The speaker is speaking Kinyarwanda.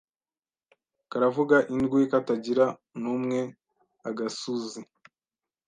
Karavuga indwi katagira n'umweAgasuzi